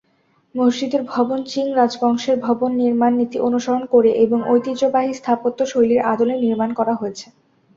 মসজিদের ভবন চিং রাজবংশের ভবন নির্মাণ নীতি অনুসরণ করে এবং ঐতিহ্যবাহী স্থাপত্য শৈলীর আদলে নির্মাণ করা হয়েছে।